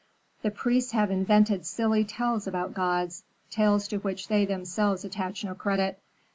"The priests have invented silly tales about gods, tales to which they themselves attach no credit.